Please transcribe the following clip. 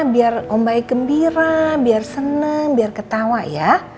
biar om baik gembira biar senang biar ketawa ya